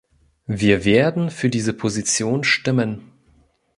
Wir werden für diese Position stimmen.